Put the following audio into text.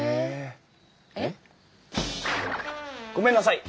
えっ？ごめんなさい！